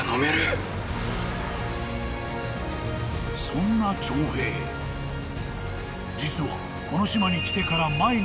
［そんな長平実はこの島に来てから］